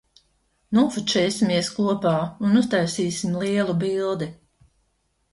Nofočēsimies kopā un uztaisīsim lielu bildi.